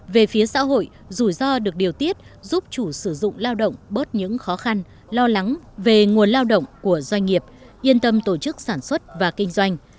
về phía xã hội rủi ro được điều tiết giúp chủ sử dụng lao động bớt những khó khăn lo lắng về nguồn lao động của doanh nghiệp yên tâm tổ chức sản xuất và kinh doanh